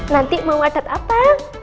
nanti mau adat apa